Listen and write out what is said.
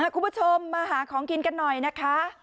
คุณผู้ชมมาหาของกินกันหน่อยนะคะ